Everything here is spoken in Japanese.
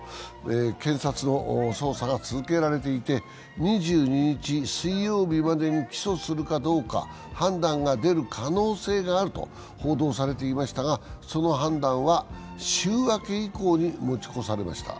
検察の捜査が続けられていて２２日水曜日までに起訴するかどうか、判断が出る可能性があると報道されていましたが、その判断は、週明け以降に持ち越されました。